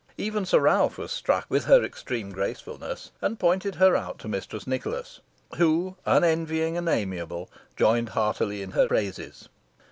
Even Sir Ralph was struck with her extreme gracefulness, and pointed her out to Mistress Nicholas, who, unenvying and amiable, joined heartily in his praises.